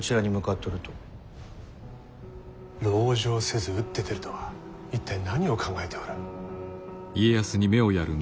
籠城せず打って出るとは一体何を考えておる。